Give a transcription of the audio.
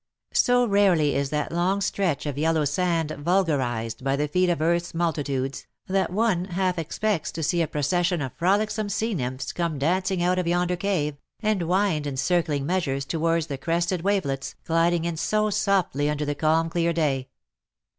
So rarely is that long stretch of yellow sand vul garized by the feet of earth^s multitudes, that one half expects to see a procession of frolicsome sea nymphs come dancing out of yonder cave, and wind in circling measures towards the crested wave lets, gliding in so softly under the calm clear day.